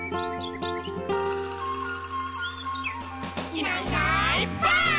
「いないいないばあっ！」